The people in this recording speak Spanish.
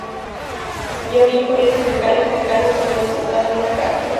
Giorgi fue sustituido en el cargo por la diputada Nora Castro.